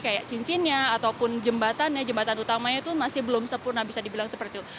kayak cincinnya ataupun jembatannya jembatan utamanya itu masih belum sempurna bisa dibilang seperti itu